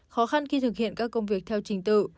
khó khăn khi thực hiện các công việc theo trình tự